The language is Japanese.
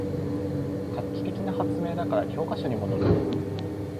画期的な発明だから教科書にものる